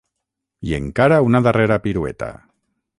I encara una darrera pirueta.